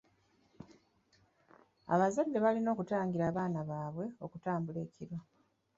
Abazadde balina okutangira abaana baabwe okutambula ekiro.